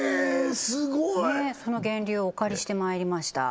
すごいその「源流」をお借りしてまいりました